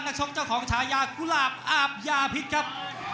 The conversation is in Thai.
ชกเจ้าของฉายากุหลาบอาบยาพิษครับ